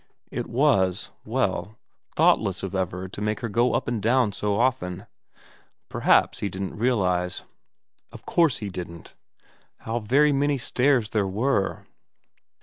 It was well, thoughtless of Everard to make her go up and down so often. Probably he didn't realise of course he didn't how very many stairs there were.